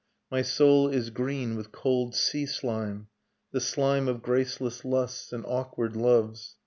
My soul is green with cold sea slime. The slime of graceless lusts and awkward loves.